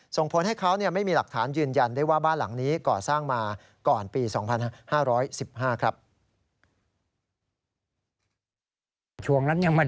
ส่งผลให้เขาไม่มีหลักฐานยืนยันได้ว่าบ้านหลังนี้ก่อสร้างมาก่อนปี๒๕๑๕ครับ